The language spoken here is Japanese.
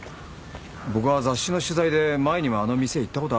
僕は雑誌の取材で前にもあの店へ行ったことあるからね。